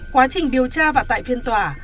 quá trình điều tra và tại phiên tòa